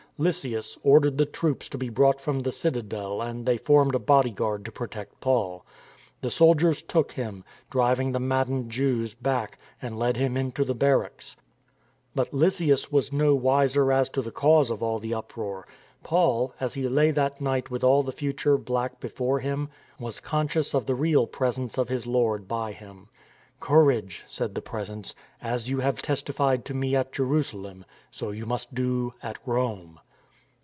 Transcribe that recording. Lysias ordered the troops to be brought from the citadel and they formed a bodyguard to protect Paul. The soldiers took him, driving the maddened Jews back, and led him into the barracks. But Lysias was no wiser as to the cause of all the uproar. Paul, as he lay that night with all the future black before him, was conscious of the real presence of his Lord by him. " Courage !" said the Presence. " As you have testified to me at Jerusalem, so you must do at Rome."